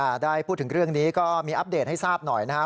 ได้พูดถึงเรื่องนี้ก็มีอัปเดตให้ทราบหน่อยนะครับ